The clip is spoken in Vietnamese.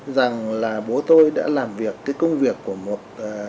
rằng là bố tôi đã làm việc cái công việc của một